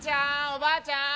おばあちゃん！